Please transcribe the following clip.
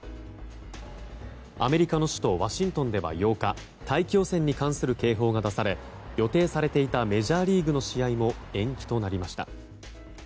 アメリカの首都ワシントンでは８日大気汚染に関する警報が出され予定していたメジャーリーグの試合も延期となりました。